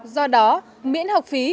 do đó miễn học phí